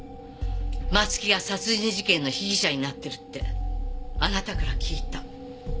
松木が殺人事件の被疑者になってるってあなたから聞いた。